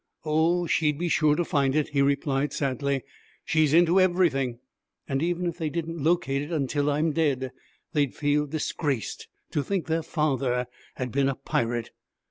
'Oh, she'd be sure to find it,' he replied sadly. 'She's into everything. And even if they didn't locate it till I am dead, they'd feel disgraced to think their father had been a pirate.